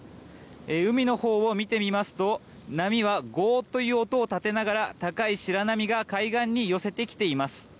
海のほうを見てみますと波はゴーッという音を立てながら高い白波が海岸に寄せてきています。